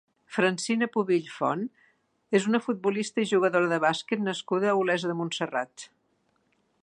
Francina Pubill Font és una futbolista i jugadora de bàsquet nascuda a Olesa de Montserrat.